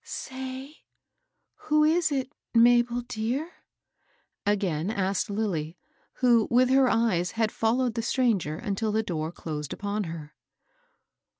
" Say, who is it, Mabel dear ?" again asked Lilly, who, with her eyes, had followed the stranger until the door closed upon her.